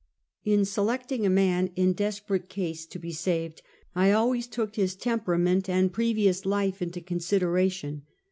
In selecting a man in desperate case to be saved, I always took his temperament and previous life into consideration.